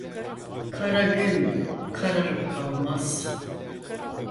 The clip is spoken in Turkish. Kara gün kararıp kalmaz.